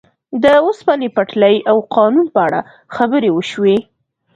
د اوسپنې پټلۍ او قانون په اړه خبرې وشوې.